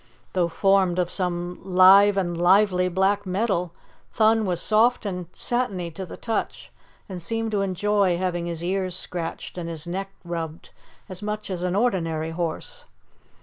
Though formed of some live and lively black metal, Thun was soft and satiny to the touch and seemed to enjoy having his ears scratched and his neck rubbed as much as an ordinary horse.